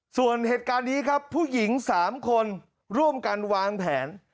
ส่วนเหตุการณ์นี้ครับผู้หญิง๓คนร่วมกันวางแผน